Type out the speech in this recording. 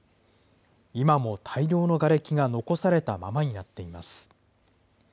今も大量のがれきが残されたままになっています。